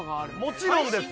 もちろんです